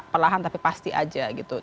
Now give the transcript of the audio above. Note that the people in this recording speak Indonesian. perlahan tapi pasti aja gitu